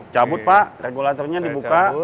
cabut pak regulatornya dibuka